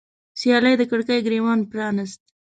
سیلۍ د کړکۍ ګریوان پرانیست